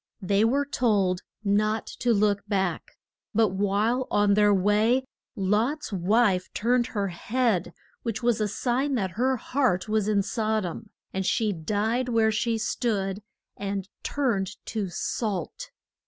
They were told not to look back, but while on their way Lot's wife turned her head, which was a sign that her heart was in Sod om, and she died where she stood, and turned to salt.